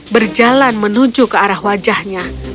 berjalan menuju ke arah wajahnya